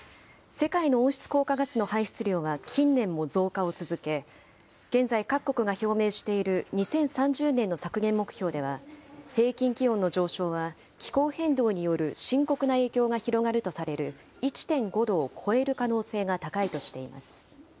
世界の温室効果ガスの排出量は近年も増加を続け現在、各国が表明している２０３０年の削減目標では平均気温の上昇は気候変動による深刻な影響が広がるとされる１．５度を超える可能性が高いとしています。